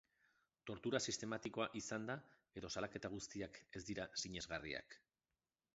Tortura sistematikoa izan da edo salaketa guztiak ez dira sinesgarriak?